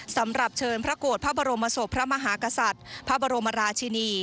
สำหรับเชิญพระโกรธพระบรมศพพระมหากษัตริย์พระบรมราชินี